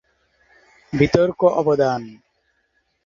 বিতর্ক অবদান।